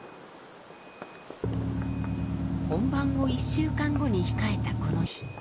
本番を１週間後に控えたこの日。